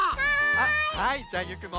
あっはいじゃゆうくんも。